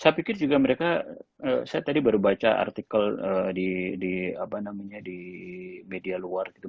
saya pikir juga mereka saya tadi baru baca artikel di media luar gitu